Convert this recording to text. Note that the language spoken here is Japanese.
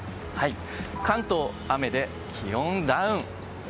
関東、雨で気温ダウン。